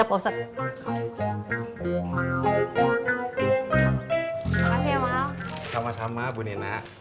makasih ya mal sama sama bu nina